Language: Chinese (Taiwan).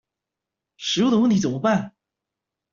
食物的問題怎麼辦？